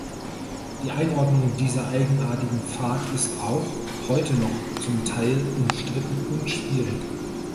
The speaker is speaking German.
Die Einordnung dieser eigenartigen Fahrt ist auch heute noch zum Teil umstritten und schwierig.